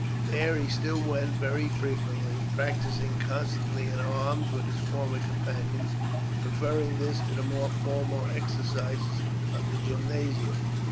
There he still went very frequently, practising constantly in arms with his former companions, preferring this to the more formal exercises of the gymnasium.